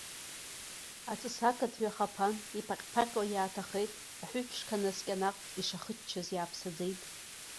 Аҵыс акаҭ ҩахаԥан, иԥаҟьԥаҟьуа иааҭахеит, аҳәыҳә ԥшқа наскьа наҟ, ишахыччоз иааԥсаӡеит.